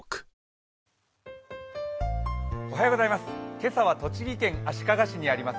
今朝は栃木県足利市にあります